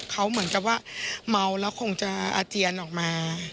เขาเหมือนกับว่าเมาแล้วคงจะอาเจียนออกมา